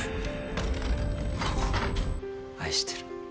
愛してる。